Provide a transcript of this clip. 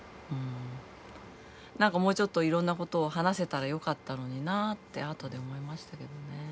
なんかもうちょっといろんなことを話せたらよかったのになってあとで思いましたけどね。